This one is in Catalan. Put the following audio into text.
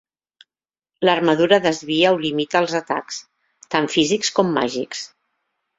L'armadura desvia o limita els atacs, tant físics com màgics.